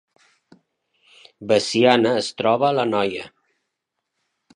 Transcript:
Veciana es troba a l’Anoia